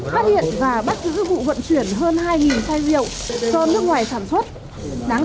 phát hiện và bắt giữ dữ vụ vận chuyển hơn hai xe rượu do nước ngoài sản xuất